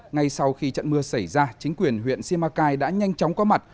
ngay sau khi trận mưa xảy ra chính quyền huyện simacai đã nhanh chóng có mặt